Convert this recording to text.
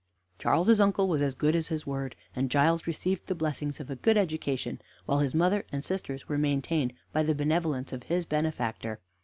Charles's uncle was as good as his word, and Giles received the blessings of a good education, while his mother and sisters were maintained by the benevolence of his benefactor.